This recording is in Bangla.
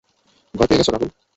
ভয় পেয়ে গেছো রাহুল?